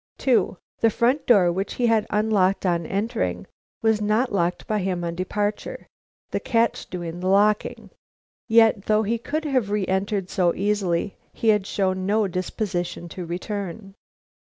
2. The front door, which he had unlocked on entering, was not locked by him on his departure, the catch doing the locking. Yet, though he could have re entered so easily, he had shown no disposition to return.